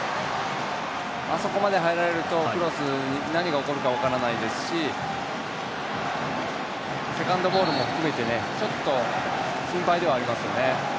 あそこまで入られるとクロスに何が起こるか分からないですしセカンドボールも含めてちょっと心配ではありますよね。